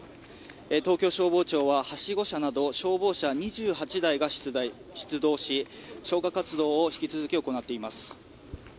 東京消防庁は、はしご車など消防車２８台が出動し消火活動を引き続き行っています。